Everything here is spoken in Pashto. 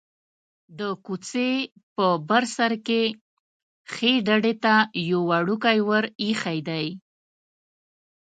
د کوڅې په بر سر کې ښيي ډډې ته یو وړوکی ور ایښی دی.